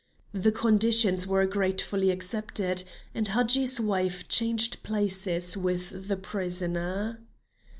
The conditions were gratefully accepted, and Hadji's wife changed places with the prisoner.